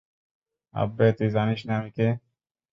আব্বে, তুই জানিস না আমি কে।